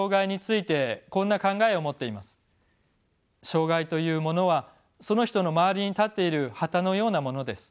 障がいというものはその人の周りに立っている旗のようなものです。